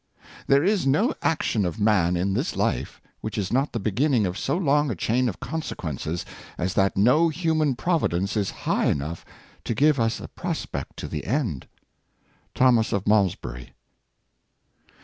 " There is no action of man in this life, which is not the beginning of so long a chain of consequences, as that no human providence is high enough to give us a prospect to the end." — Thomas of Malmesbury.